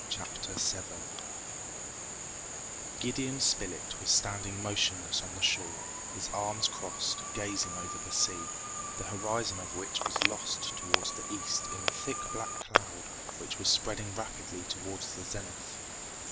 Chapter 7 Gideon Spilett was standing motionless on the shore, his arms crossed, gazing over the sea, the horizon of which was lost towards the east in a thick black cloud which was spreading rapidly towards the zenith.